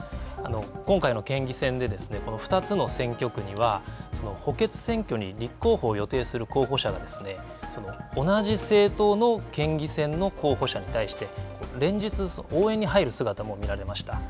今回の県議選でこの２つの選挙区には補欠選挙に立候補を予定する候補者が同じ政党の県議選の候補者に対して連日、応援に入る姿も見られました。